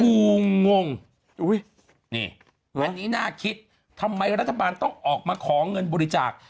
งงอุ้ยนี่อันนี้น่าคิดทำไมรัฐบาลต้องออกมาขอเงินบริจาค